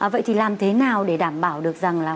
vậy thì làm thế nào để đảm bảo được rằng là